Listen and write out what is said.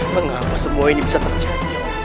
mengapa semua ini bisa terjadi